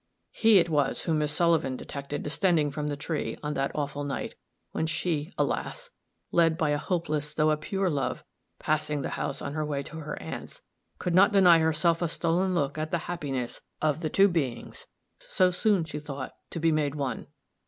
He it was whom Miss Sullivan detected descending from the tree, on that awful night when she, alas! led by a hopeless, though a pure love, passing the house on her way to her aunt's, could not deny herself a stolen look at the happiness of the two beings so soon, she thought, to be made one.